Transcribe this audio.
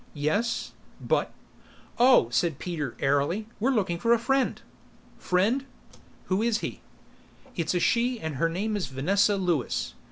"Yes ... but " "Oh," said Peter airily, "we're looking for a friend." "Friend? Who is he?" "It's a she and her name is Vanessa Lewis."